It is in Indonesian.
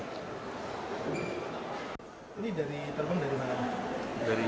ini dari terbang dari mana